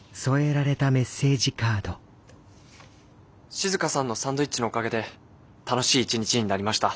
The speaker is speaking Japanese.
「静さんのサンドイッチのおかげで楽しい一日になりました。